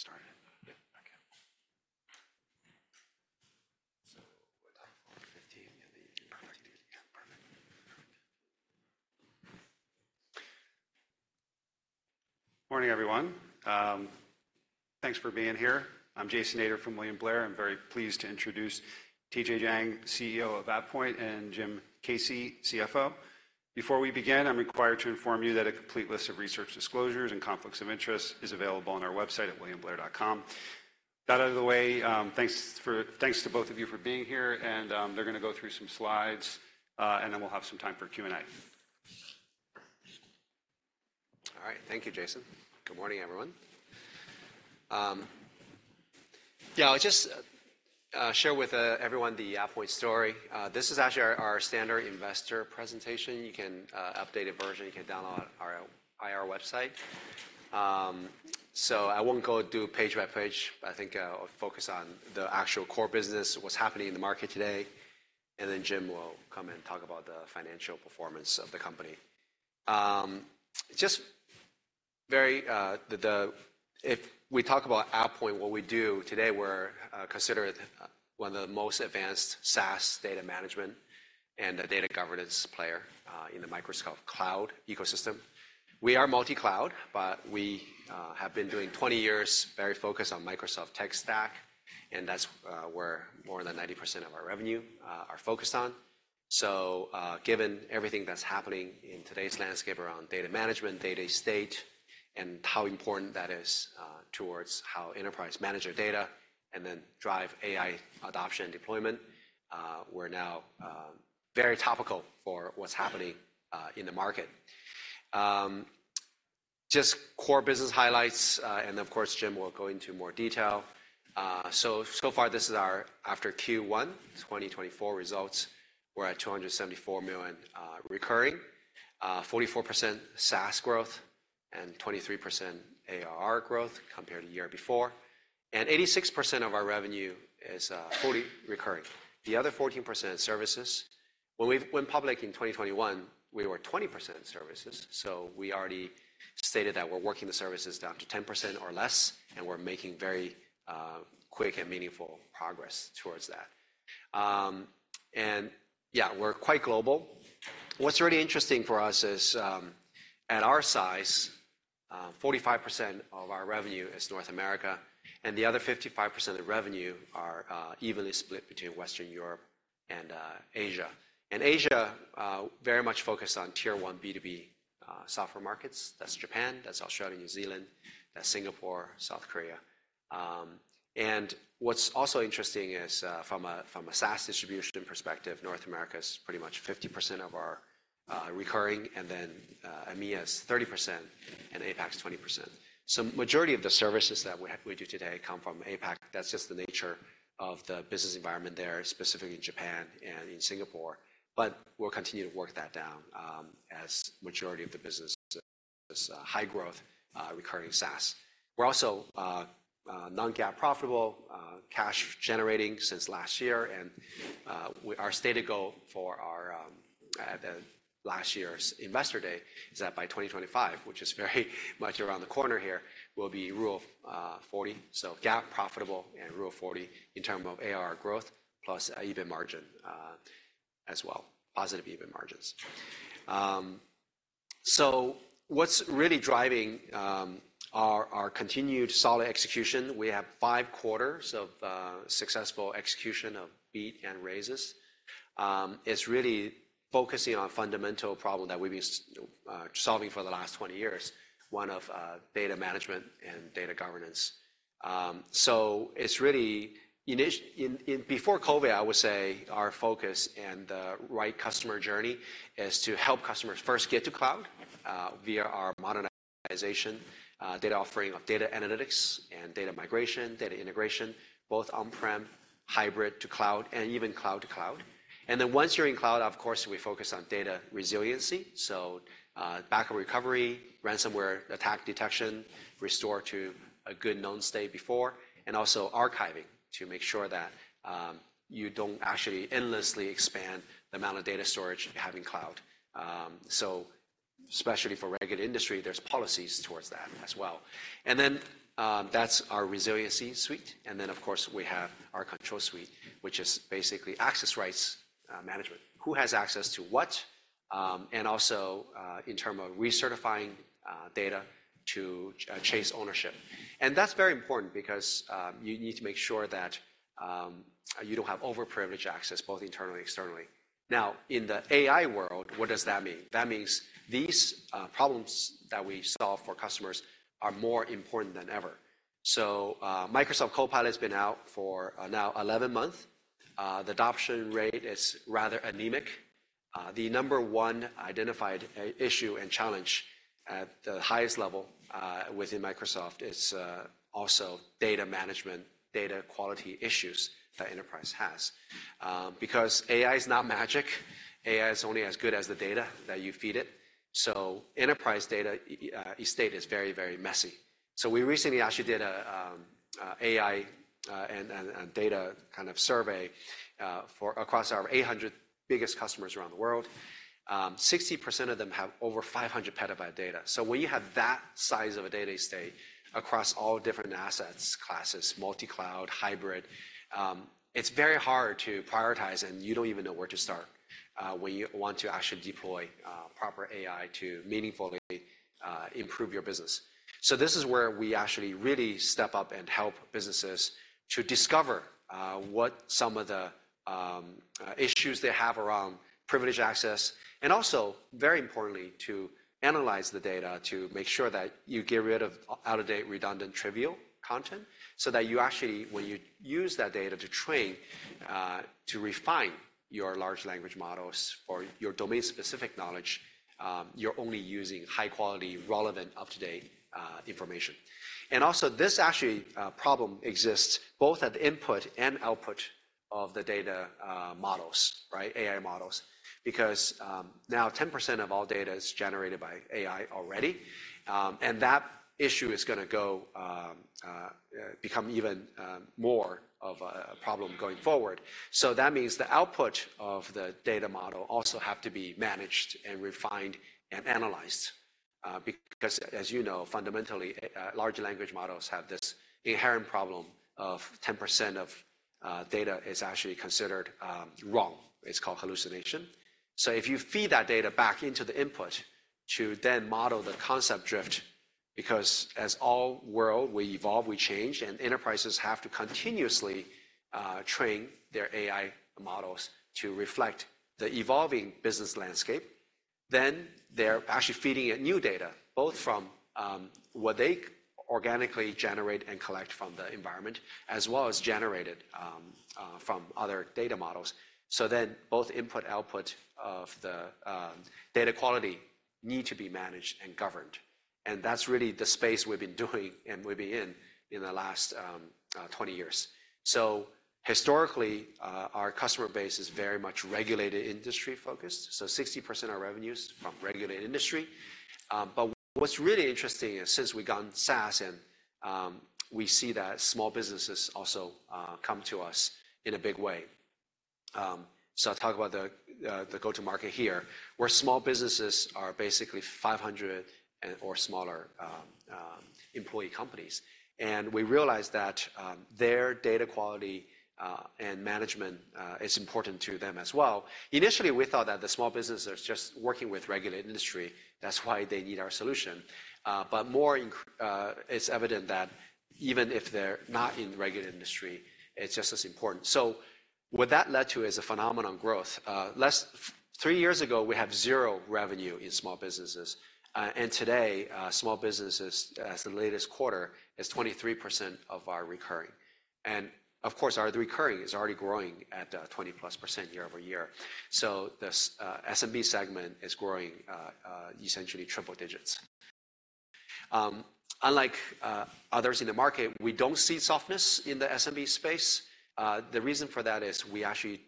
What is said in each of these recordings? Let's get started. Yeah. Okay. What time? 15. Perfect. Yeah, perfect. Morning, everyone. Thanks for being here. I'm Jason Ader from William Blair. I'm very pleased to introduce TJ Jiang, CEO of AvePoint, and Jim Caci, CFO. Before we begin, I'm required to inform you that a complete list of research disclosures and conflicts of interest is available on our website at williamblair.com. That out of the way, thanks to both of you for being here, and they're gonna go through some slides, and then we'll have some time for Q&A. All right. Thank you, Jason. Good morning, everyone. Yeah, I'll just share with everyone the AvePoint story. This is actually our standard investor presentation. You can updated version you can download on our IR website. So I won't go through page by page, but I think I'll focus on the actual core business, what's happening in the market today, and then Jim will come and talk about the financial performance of the company. If we talk about AvePoint, what we do today, we're considered one of the most advanced SaaS data management and a data governance player in the Microsoft Cloud ecosystem. We are multi-cloud, but we have been doing 20 years, very focused on Microsoft tech stack, and that's where more than 90% of our revenue are focused on. So, given everything that's happening in today's landscape around data management, data estate, and how important that is, towards how enterprise manage their data and then drive AI adoption and deployment, we're now very topical for what's happening in the market. Just core business highlights, and of course, Jim will go into more detail. So, so far, this is our after Q1 2024 results. We're at $274 million recurring, 44% SaaS growth, and 23% ARR growth compared to the year before, and 86% of our revenue is fully recurring. The other 14% is services. When we went public in 2021, we were 20% services, so we already stated that we're working the services down to 10% or less, and we're making very quick and meaningful progress towards that. Yeah, we're quite global. What's really interesting for us is, at our size, 45% of our revenue is North America, and the other 55% of revenue are evenly split between Western Europe and Asia. Asia very much focused on Tier One B2B software markets. That's Japan, that's Australia, New Zealand, that's Singapore, South Korea. What's also interesting is, from a SaaS distribution perspective, North America is pretty much 50% of our recurring, and then EMEA is 30%, and APAC is 20%. So majority of the services that we do today come from APAC. That's just the nature of the business environment there, specifically in Japan and in Singapore, but we'll continue to work that down, as majority of the business is high growth recurring SaaS. We're also non-GAAP profitable, cash generating since last year, and our stated goal for our the last year's Investor Day is that by 2025, which is very much around the corner here, will be Rule of 40. So GAAP profitable and Rule of 40 in terms of ARR growth, plus EBIT margin, as well, positive EBIT margins. So what's really driving our continued solid execution, we have 5 quarters of successful execution of beat and raises. It's really focusing on fundamental problem that we've been solving for the last 20 years, one of data management and data governance. So it's really in before COVID, I would say our focus and the right customer journey is to help customers first get to cloud via our modernization data offering of data analytics and data migration, data integration, both on-prem, hybrid to cloud, and even cloud to cloud. And then once you're in cloud, of course, we focus on data resilience, so backup recovery, ransomware attack detection, restore to a good known state before, and also archiving to make sure that you don't actually endlessly expand the amount of data storage you have in cloud. So especially for regulated industry, there's policies towards that as well. And then that's our Resilience Suite. Of course, we have our Control Suite, which is basically access rights management, who has access to what, and also, in terms of recertifying data to chase ownership. That's very important because you need to make sure that you don't have over-privileged access, both internally, externally. Now, in the AI world, what does that mean? That means these problems that we solve for customers are more important than ever. So, Microsoft Copilot has been out for now 11 months. The adoption rate is rather anemic. The number one identified issue and challenge at the highest level within Microsoft is also data management, data quality issues that enterprise has. Because AI is not magic. AI is only as good as the data that you feed it. So enterprise data estate is very, very messy. So we recently actually did a AI and data kind of survey for across our 800 biggest customers around the world. 60% of them have over 500 petabyte data. So when you have that size of a data estate across all different assets, classes, multi-cloud, hybrid, it's very hard to prioritize, and you don't even know where to start when you want to actually deploy proper AI to meaningfully improve your business. So this is where we actually really step up and help businesses to discover what some of the issues they have around privileged access, and also, very importantly, to analyze the data to make sure that you get rid of out-of-date, redundant, trivial content. So that you actually, when you use that data to train, to refine your large language models or your domain-specific knowledge, you're only using high quality, relevant, up-to-date, information. And also, this actually problem exists both at the input and output of the data models, right? AI models. Because, now 10% of all data is generated by AI already, and that issue is gonna become even more of a problem going forward. So that means the output of the data model also have to be managed and refined and analyzed. Because, as you know, fundamentally, large language models have this inherent problem of 10% of data is actually considered wrong. It's called hallucination. So if you feed that data back into the input to then model the t, because as the world, we evolve, we change, and enterprises have to continuously train their AI models to reflect the evolving business landscape. Then they're actually feeding it new data, both from what they organically generate and collect from the environment, as well as generated from other data models. So then both input, output of the data quality need to be managed and governed, and that's really the space we've been doing and we've been in in the last 20 years. So historically, our customer base is very much regulated industry focused, so 60% of our revenue is from regulated industry. But what's really interesting is, since we've gone SaaS, and, we see that small businesses also, come to us in a big way. So I'll talk about the, the go-to-market here, where small businesses are basically 500 or smaller, employee companies. And we realized that, their data quality, and management, is important to them as well. Initially, we thought that the small businesses are just working with regulated industry, that's why they need our solution. But it's evident that even if they're not in the regulated industry, it's just as important. So what that led to is a phenomenal growth. Less than three years ago, we had 0 revenue in small businesses, and today, small businesses, as the latest quarter, is 23% of our recurring. Of course, our recurring is already growing at 20%+ year-over-year. So the SMB segment is growing essentially triple digits. Unlike others in the market, we don't see softness in the SMB space. The reason for that is we actually,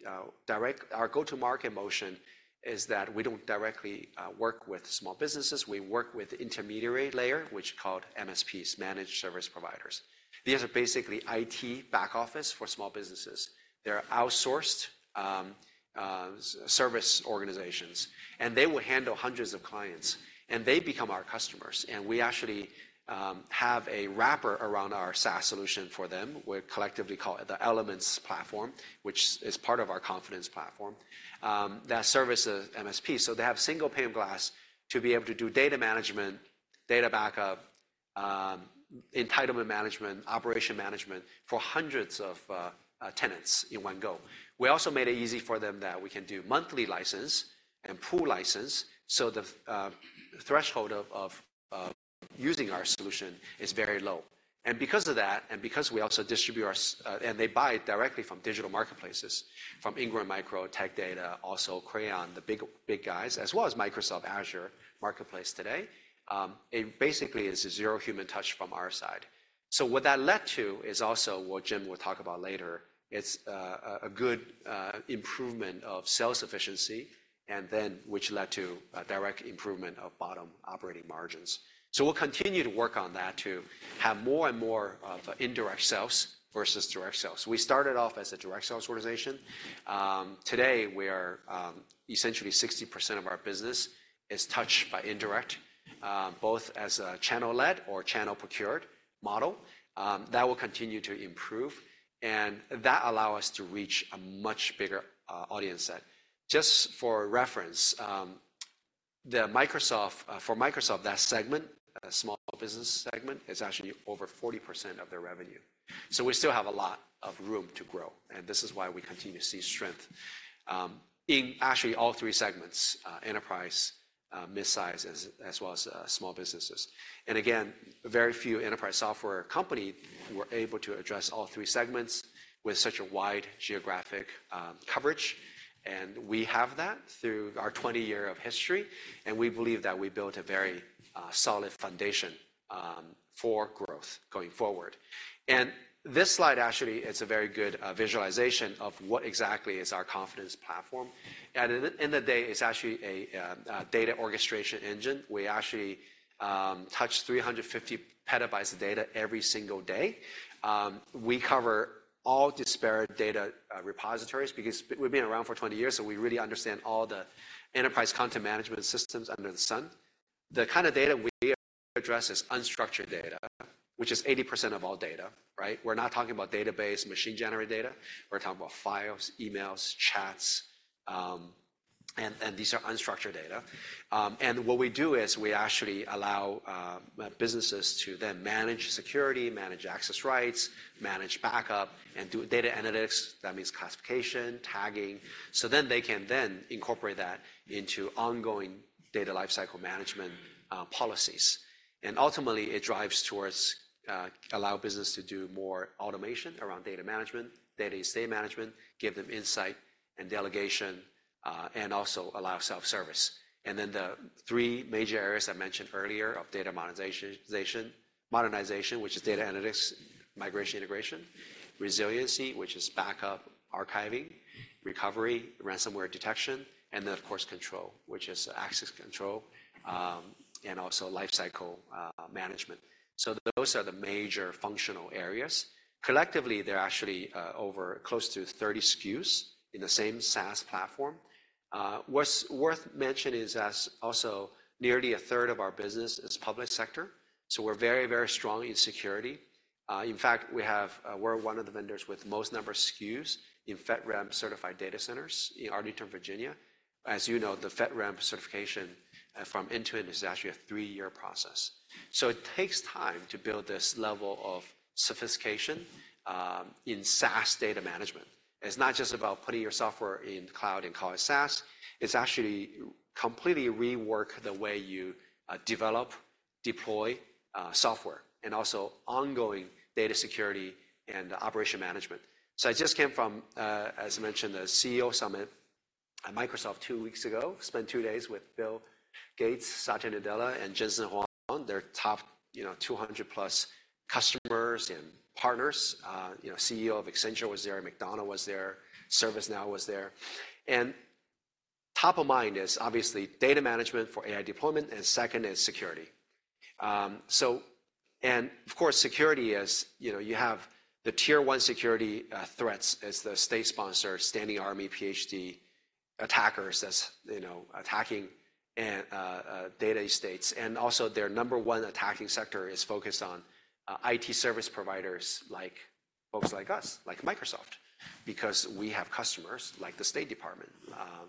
our go-to-market motion is that we don't directly work with small businesses. We work with intermediary layer, which is called MSPs, Managed Service Providers. These are basically IT back office for small businesses. They're outsourced service organizations, and they will handle hundreds of clients, and they become our customers. And we actually have a wrapper around our SaaS solution for them. We collectively call it the Elements Platform, which is part of our Confidence Platform, that services MSP. So they have single pane of glass to be able to do data management, data backup, entitlement management, operation management for hundreds of tenants in one go. We also made it easy for them that we can do monthly license and pool license, so the threshold of using our solution is very low. And because of that, and because we also distribute our SaaS, and they buy it directly from digital marketplaces, from Ingram Micro, Tech Data, also Crayon, the big, big guys, as well as Microsoft Azure Marketplace today, it basically is a zero human touch from our side. So what that led to is also what Jim will talk about later. It's a good improvement of sales efficiency, and then which led to a direct improvement of bottom operating margins. So we'll continue to work on that to have more and more of indirect sales versus direct sales. We started off as a direct sales organization. Today, we are, essentially 60% of our business is touched by indirect, both as a channel-led or channel-procured model. That will continue to improve, and that allow us to reach a much bigger, audience set. Just for reference, the Microsoft- for Microsoft, that segment, small business segment, is actually over 40% of their revenue. So we still have a lot of room to grow, and this is why we continue to see strength, in actually all three segments: enterprise, midsize, as well as, small businesses. And again, very few enterprise software company were able to address all three segments with such a wide geographic coverage, and we have that through our 20-year history, and we believe that we built a very solid foundation for growth going forward. And this slide actually is a very good visualization of what exactly is our confidence platform. And in the day, it's actually a data orchestration engine. We touch 350 PB of data every single day. We cover all disparate data repositories because we've been around for 20 years, so we really understand all the enterprise content management systems under the sun. The kind of data we address is unstructured data, which is 80% of all data, right? We're not talking about database, machine-generated data. We're talking about files, emails, chats, and these are unstructured data. And what we do is, we actually allow businesses to then manage security, manage access rights, manage backup, and do data analytics. That means classification, tagging. So then they can then incorporate that into ongoing data lifecycle management, policies. And ultimately, it drives towards allow business to do more automation around data management, data estate management, give them insight and delegation, and also allow self-service. And then the three major areas I mentioned earlier of data monetization, modernization, which is data analytics, migration, integration. Resiliency, which is backup, archiving, recovery, ransomware detection. And then, of course, control, which is access control, and also lifecycle management. So those are the major functional areas. Collectively, they're actually over close to 30 SKUs in the same SaaS platform. What's worth mentioning is also, nearly a third of our business is public sector, so we're very, very strong in security. In fact, we have, we're one of the vendors with most number of SKUs in FedRAMP-certified data centers in Arlington, Virginia. As you know, the FedRAMP certification from Intune is actually a three-year process. So it takes time to build this level of sophistication in SaaS data management. It's not just about putting your software in the cloud and call it SaaS. It's actually completely rework the way you develop, deploy software, and also ongoing data security and operation management. So I just came from, as I mentioned, the CEO summit at Microsoft two weeks ago. Spent two days with Bill Gates, Satya Nadella, and Jensen Huang, their top, you know, 200+ customers and partners. You know, CEO of Accenture was there, McDonald's was there, ServiceNow was there. Top of mind is obviously data management for AI deployment, and second is security. So, and of course, security is, you know, you have the tier one security threats as the state sponsor, standing army, PhD attackers, as you know, attacking data estates. Also, their number one attacking sector is focused on IT service providers, like folks like us, like Microsoft, because we have customers like the State Department,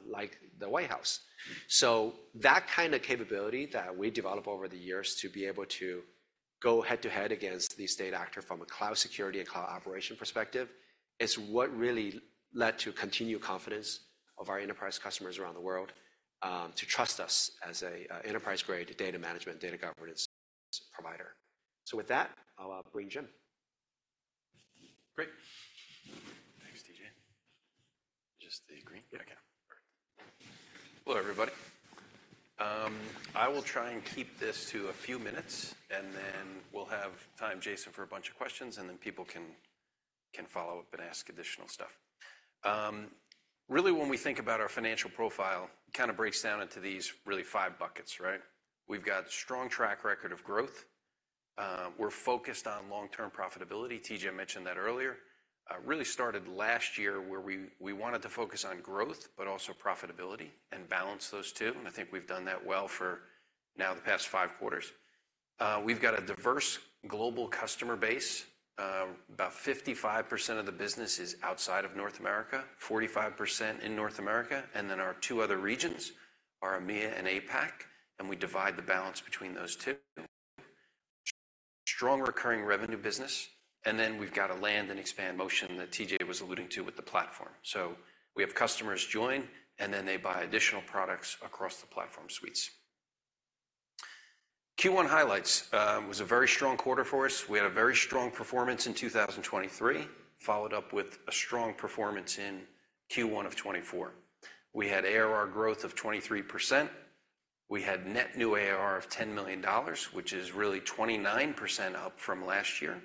like the White House. So that kind of capability that we develop over the years to be able to go head-to-head against the state actor from a cloud security and cloud operation perspective is what really led to continued confidence of our enterprise customers around the world to trust us as a enterprise-grade data management, data governance provider. With that, I'll bring Jim. Great. Thanks, TJ. Just the green? Yeah, I can. Hello, everybody. I will try and keep this to a few minutes, and then we'll have time, Jason, for a bunch of questions, and then people can, can follow up and ask additional stuff. Really, when we think about our financial profile, it kind of breaks down into these really five buckets, right? We've got a strong track record of growth. We're focused on long-term profitability. TJ mentioned that earlier. Really started last year, where we, we wanted to focus on growth, but also profitability and balance those two, and I think we've done that well for now the past five quarters. We've got a diverse global customer base. About 55% of the business is outside of North America, 45% in North America, and then our two other regions are EMEA and APAC, and we divide the balance between those two. Strong recurring revenue business, and then we've got a land and expand motion that TJ was alluding to with the platform. So we have customers join, and then they buy additional products across the platform suites. Q1 highlights was a very strong quarter for us. We had a very strong performance in 2023, followed up with a strong performance in Q1 of 2024. We had ARR growth of 23%. We had net new ARR of $10 million, which is really 29% up from last year.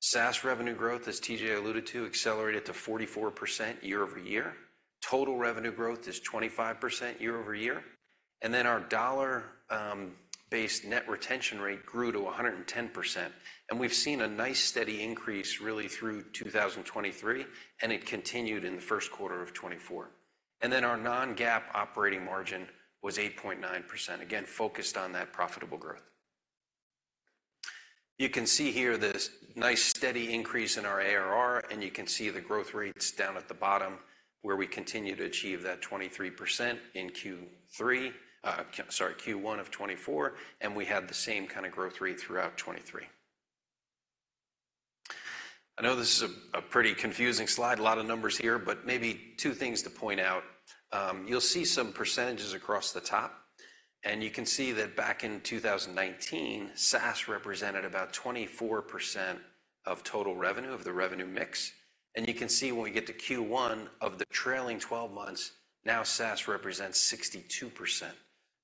SaaS revenue growth, as TJ alluded to, accelerated to 44% year-over-year. Total revenue growth is 25% year-over-year. Our dollar-based net retention rate grew to 110%, and we've seen a nice, steady increase really through 2023, and it continued in the first quarter of 2024. Our non-GAAP operating margin was 8.9%, again, focused on that profitable growth. You can see here this nice, steady increase in our ARR, and you can see the growth rates down at the bottom, where we continue to achieve that 23% in Q3, sorry, Q1 of 2024, and we had the same kind of growth rate throughout 2023. I know this is a pretty confusing slide, a lot of numbers here, but maybe two things to point out. You'll see some percentages across the top, and you can see that back in 2019, SaaS represented about 24% of total revenue, of the revenue mix. And you can see when we get to Q1 of the trailing 12 months, now SaaS represents 62%.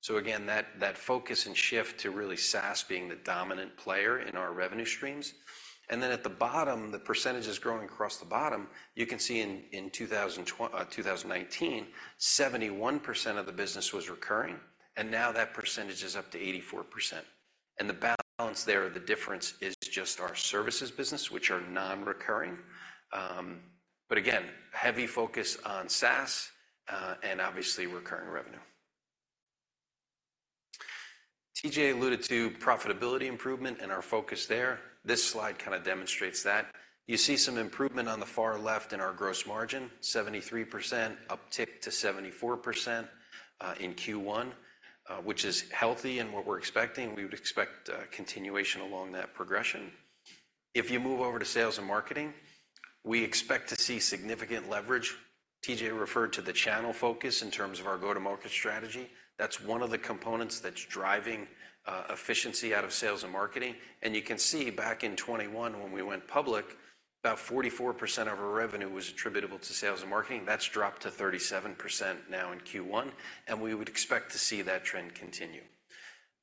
So again, that, that focus and shift to really SaaS being the dominant player in our revenue streams. And then at the bottom, the percentage is growing across the bottom. You can see in 2019, 71% of the business was recurring, and now that percentage is up to 84% and the balance there, the difference is just our services business, which are non-recurring. But again, heavy focus on SaaS, and obviously recurring revenue. TJ alluded to profitability improvement and our focus there. This slide kind of demonstrates that. You see some improvement on the far left in our gross margin, 73%, uptick to 74% in Q1, which is healthy and what we're expecting. We would expect a continuation along that progression. If you move over to sales and marketing, we expect to see significant leverage. TJ referred to the channel focus in terms of our go-to-market strategy. That's one of the components that's driving efficiency out of sales and marketing. You can see back in 2021, when we went public, about 44% of our revenue was attributable to sales and marketing. That's dropped to 37% now in Q1, and we would expect to see that trend continue.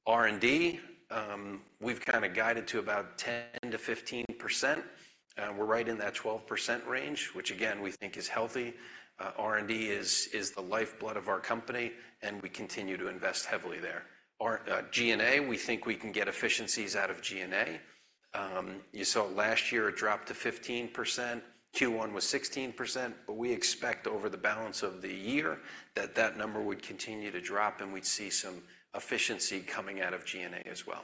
R&D, we've kinda guided to about 10%-15%. We're right in that 12% range, which again, we think is healthy. R&D is the lifeblood of our company, and we continue to invest heavily there. Our G&A, we think we can get efficiencies out of G&A. You saw it last year, it dropped to 15%. Q1 was 16%, but we expect over the balance of the year, that number would continue to drop, and we'd see some efficiency coming out of G&A as well.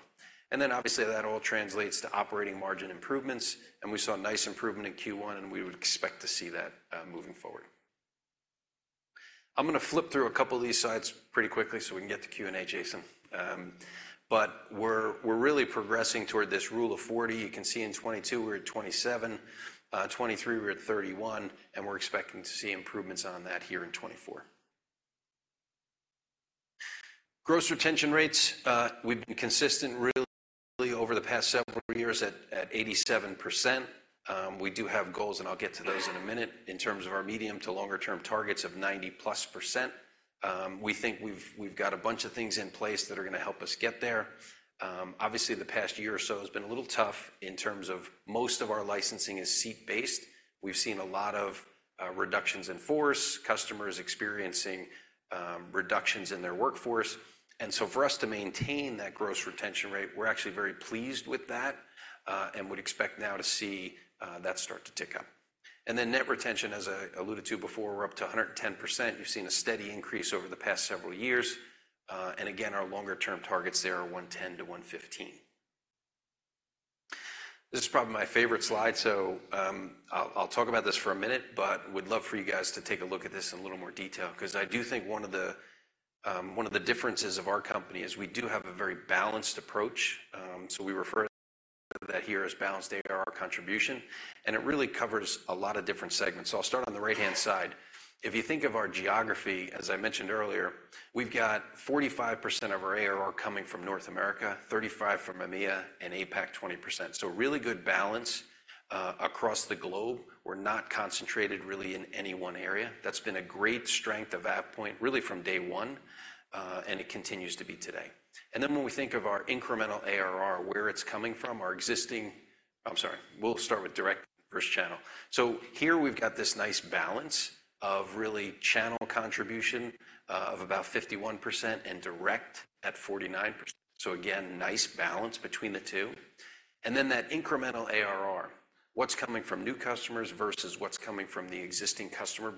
And then obviously, that all translates to operating margin improvements, and we saw a nice improvement in Q1, and we would expect to see that moving forward. I'm gonna flip through a couple of these slides pretty quickly so we can get to Q&A, Jason. But we're really progressing toward this rule of 40. You can see in 2022, we're at 27, 2023, we're at 31, and we're expecting to see improvements on that here in 2024. Gross retention rates, we've been consistent really over the past several years at 87%. We do have goals, and I'll get to those in a minute, in terms of our medium to longer-term targets of 90%+. We think we've got a bunch of things in place that are gonna help us get there. Obviously, the past year or so has been a little tough in terms of most of our licensing is seat-based. We've seen a lot of reductions in force, customers experiencing reductions in their workforce. And so for us to maintain that gross retention rate, we're actually very pleased with that, and would expect now to see that start to tick up. And then net retention, as I alluded to before, we're up to 110%. You've seen a steady increase over the past several years. And again, our longer-term targets there are 110%-115%. This is probably my favorite slide, so, I'll, I'll talk about this for a minute, but would love for you guys to take a look at this in a little more detail 'cause I do think one of the, one of the differences of our company is we do have a very balanced approach. So we refer to that here as balanced ARR contribution, and it really covers a lot of different segments. So I'll start on the right-hand side. If you think of our geography, as I mentioned earlier, we've got 45% of our ARR coming from North America, 35% from EMEA, and APAC, 20%. So a really good balance across the globe. We're not concentrated really in any one area. That's been a great strength of AvePoint, really from day one, and it continues to be today. And then when we think of our incremental ARR, where it's coming from, I'm sorry, we'll start with direct versus channel. So here we've got this nice balance of really channel contribution of about 51% and direct at 49%. So again, nice balance between the two. And then that incremental ARR, what's coming from new customers versus what's coming from the existing customer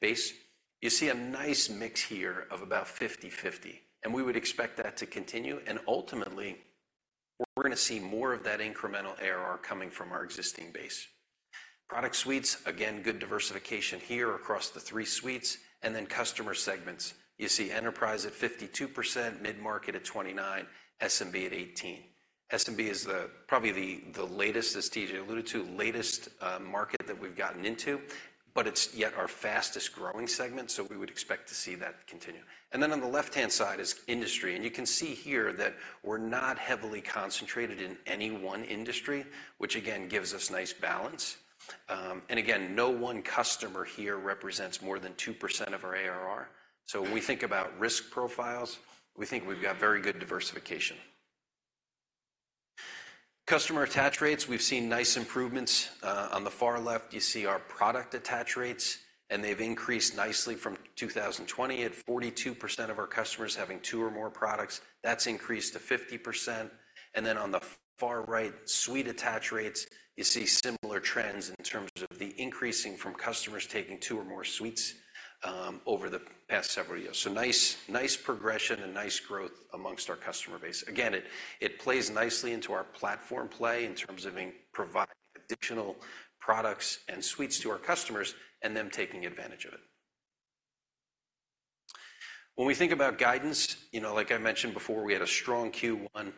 base. You see a nice mix here of about 50/50, and we would expect that to continue. Ultimately, we're gonna see more of that incremental ARR coming from our existing base. Product suites, again, good diversification here across the three suites, and then customer segments. You see enterprise at 52%, mid-market at 29%, SMB at 18%. SMB is probably the latest, as TJ alluded to, market that we've gotten into, but it's yet our fastest-growing segment, so we would expect to see that continue. And then on the left-hand side is industry, and you can see here that we're not heavily concentrated in any one industry, which again, gives us nice balance. And again, no one customer here represents more than 2% of our ARR. So when we think about risk profiles, we think we've got very good diversification. Customer attach rates, we've seen nice improvements. On the far left, you see our product attach rates, and they've increased nicely from 2020. At 42% of our customers having two or more products, that's increased to 50%. And then on the far right, suite attach rates, you see similar trends in terms of the increasing from customers taking two or more suites over the past several years. So nice, nice progression and nice growth amongst our customer base. Again, it plays nicely into our platform play in terms of providing additional products and suites to our customers and them taking advantage of it. When we think about guidance, you know, like I mentioned before, we had a strong Q1.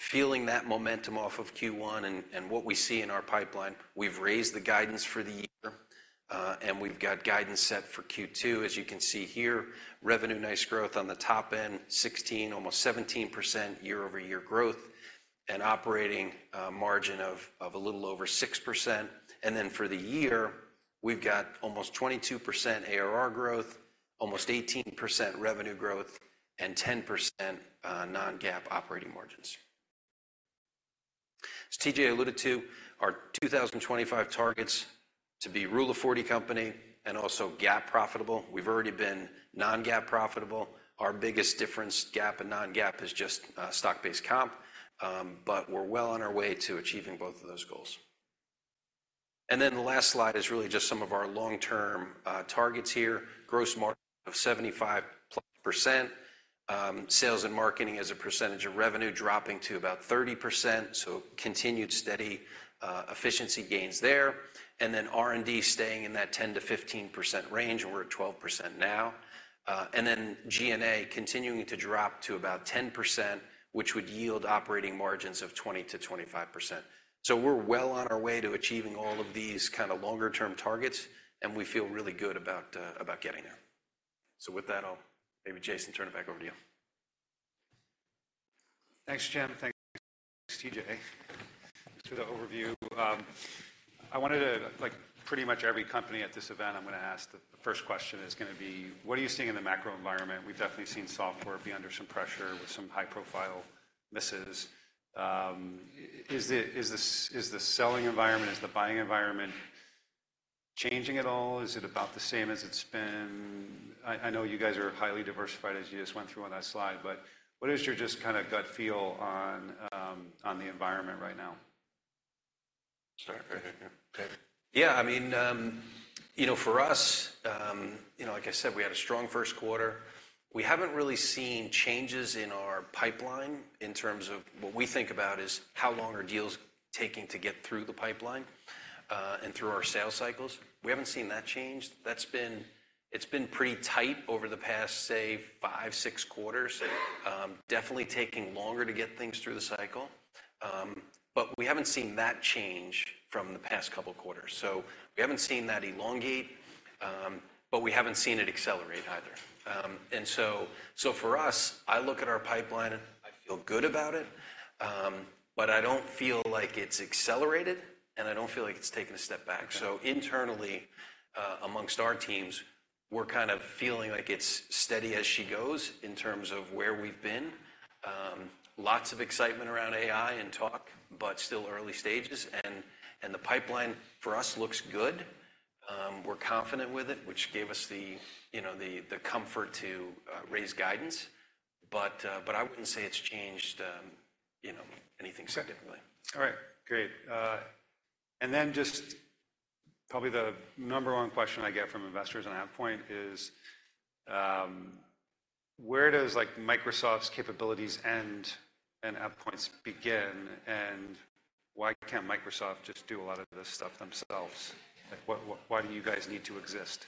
Feeling that momentum off of Q1 and what we see in our pipeline, we've raised the guidance for the year, and we've got guidance set for Q2. As you can see here, revenue, nice growth on the top end, 16, almost 17% year-over-year growth and operating margin of a little over 6%. Then for the year, we've got almost 22% ARR growth, almost 18% revenue growth, and 10% non-GAAP operating margins. As TJ alluded to, our 2025 target is to be Rule of 40 company and also GAAP profitable. We've already been non-GAAP profitable. Our biggest difference, GAAP and non-GAAP, is just stock-based comp, but we're well on our way to achieving both of those goals. Then the last slide is really just some of our long-term targets here. Gross margin of 75%+. Sales and marketing as a percentage of revenue dropping to about 30%, so continued steady efficiency gains there. Then R&D staying in that 10%-15% range, and we're at 12% now. And then G&A continuing to drop to about 10%, which would yield operating margins of 20%-25%. So we're well on our way to achieving all of these kinda longer term targets, and we feel really good about about getting there. So with that, I'll, maybe Jason, turn it back over to you. Thanks, Jim. Thanks, TJ, for the overview. I wanted to, like pretty much every company at this event, I'm gonna ask, the first question is gonna be: What are you seeing in the macro environment? We've definitely seen software be under some pressure with some high-profile misses. Is the selling environment, is the buying environment changing at all? Is it about the same as it's been? I know you guys are highly diversified, as you just went through on that slide, but what is your just kinda gut feel on, on the environment right now? Sure. Okay. Yeah, I mean, you know, for us, you know, like I said, we had a strong first quarter. We haven't really seen changes in our pipeline in terms of what we think about is how long are deals taking to get through the pipeline, and through our sales cycles. We haven't seen that change. It's been pretty tight over the past, say, five, six quarters. Definitely taking longer to get things through the cycle, but we haven't seen that change from the past couple quarters. So we haven't seen that elongate, but we haven't seen it accelerate either. And so for us, I look at our pipeline, and I feel good about it, but I don't feel like it's accelerated, and I don't feel like it's taken a step back. Okay. So internally, among our teams, we're kind of feeling like it's steady as she goes in terms of where we've been. Lots of excitement around AI and talk, but still early stages, and the pipeline for us looks good. We're confident with it, which gave us the, you know, the comfort to raise guidance, but I wouldn't say it's changed, you know, anything significantly. Okay. All right. Great. And then just probably the number one question I get from investors on AvePoint is: Where does, like, Microsoft's capabilities end and AvePoint's begin, and why can't Microsoft just do a lot of this stuff themselves? Like, what, what, why do you guys need to exist?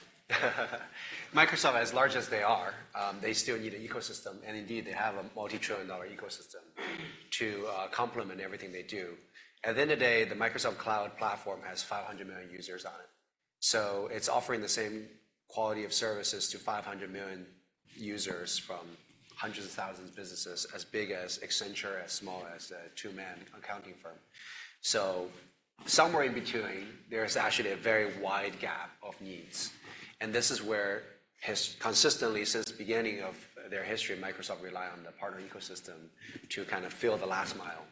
Microsoft, as large as they are, they still need an ecosystem, and indeed, they have a multi-trillion dollar ecosystem to complement everything they do. At the end of the day, the Microsoft Cloud platform has 500 million users on it, so it's offering the same quality of services to 500 million users from hundreds of thousands of businesses as big as Accenture, as small as a two-man accounting firm. So somewhere in between, there is actually a very wide gap of needs, and this is where consistently since the beginning of their history, Microsoft rely on the partner ecosystem to kind of fill the last mile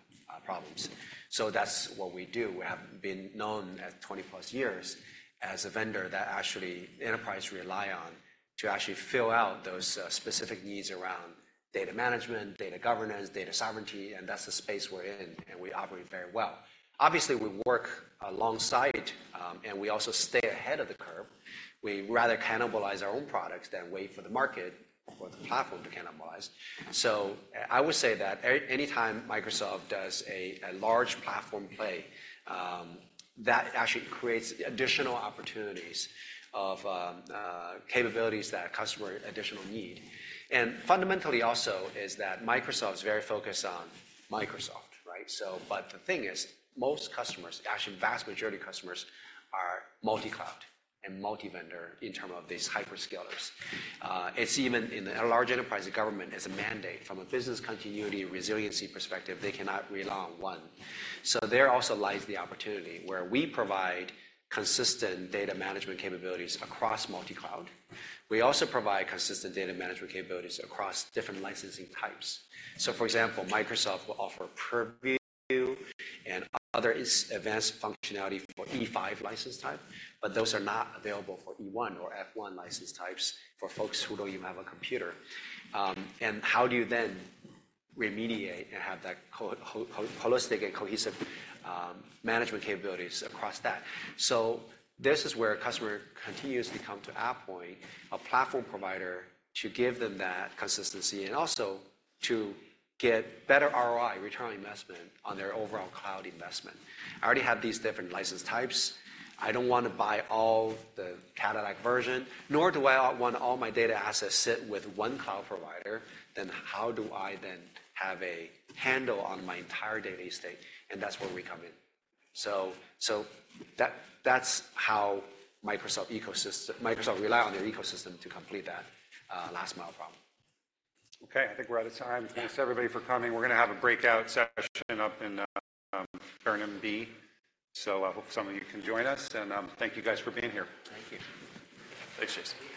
problems. So that's what we do. We have been known as 20+ years as a vendor that actually enterprise rely on to actually fill out those specific needs around data management, data governance, data sovereignty, and that's the space we're in, and we operate very well. Obviously, we work alongside, and we also stay ahead of the curve. We rather cannibalize our own products than wait for the market or the platform to cannibalize. So I would say that anytime Microsoft does a large platform play, that actually creates additional opportunities of capabilities that a customer additional need. And fundamentally also is that Microsoft is very focused on Microsoft, right? So but the thing is, most customers, actually vast majority of customers, are multi-cloud and multi-vendor in term of these hyperscalers. It's even in a large enterprise, the government has a mandate. From a business continuity and resiliency perspective, they cannot rely on one. So there also lies the opportunity where we provide consistent data management capabilities across multi-cloud. We also provide consistent data management capabilities across different licensing types. So, for example, Microsoft will offer Purview and other advanced functionality for E5 license type, but those are not available for E1 or F1 license types, for folks who don't even have a computer. And how do you then remediate and have that holistic and cohesive management capabilities across that? So this is where a customer continuously come to AvePoint, a platform provider, to give them that consistency and also to get better ROI, return on investment, on their overall cloud investment. I already have these different license types. I don't want to buy all the Cadillac version, nor do I want all my data assets sit with one cloud provider. Then how do I have a handle on my entire data estate? And that's where we come in. So that's how Microsoft ecosystem. Microsoft rely on their ecosystem to complete that last mile problem. Okay, I think we're out of time. Thanks, everybody, for coming. We're gonna have a breakout session up in room B, so I hope some of you can join us. Thank you guys for being here. Thank you. Thanks, Jason.